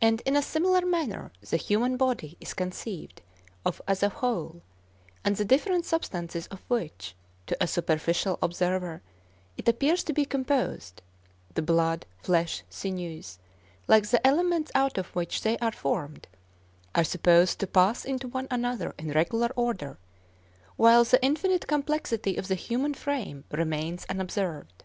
And in a similar manner the human body is conceived of as a whole, and the different substances of which, to a superficial observer, it appears to be composed—the blood, flesh, sinews—like the elements out of which they are formed, are supposed to pass into one another in regular order, while the infinite complexity of the human frame remains unobserved.